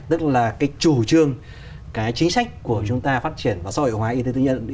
tức là cái chủ trương cái chính sách của chúng ta phát triển và xã hội hóa y tế tư nhân